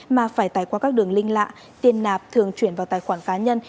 mà phải tài qua các đường linh lạ tiền nạp thường chuyển vào tài khoản cá nhân